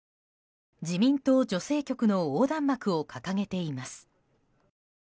自民党女性局の横断幕を掲げています。